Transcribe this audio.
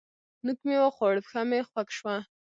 نوک مې وخوړ؛ پښه مې خوږ شوه.